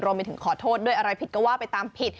ไปขอโทษด้วยอะไรผิดก็ว่าไปตามผิด